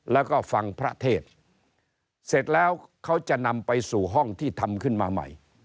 แล้วก็ฟังพระเทศเสร็จแล้วเขาจะนำไปสู่ห้องที่ทำขึ้นมาใหม่